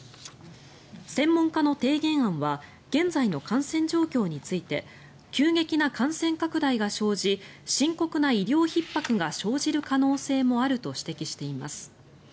専門家の提言案は現在の感染状況について急激な感染拡大が生じ深刻な医療ひっ迫が生じる可能性もあると指摘しています。